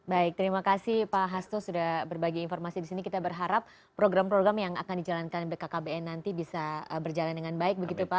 baik terima kasih pak hasto sudah berbagi informasi di sini kita berharap program program yang akan dijalankan bkkbn nanti bisa berjalan dengan baik begitu pak